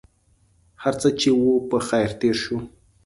هرڅه چې و په خیر تېر شو.